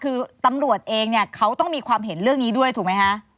คือตำรวจเองเนี่ยเขาต้องมีความเห็นเรื่องนี้ด้วยถูกไหมคะ